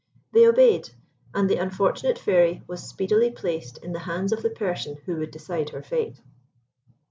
They obeyed, and the unfortunate Fairy was speedily placed in the hands of the person who would decide her fate.